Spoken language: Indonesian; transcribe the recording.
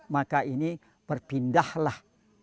maka ini berpindahlah